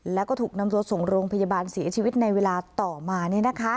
แล้วก็ถูกนำรถส่งโรงพยาบาลศรีชีวิตในเวลาต่อมาเนี่ยนะคะ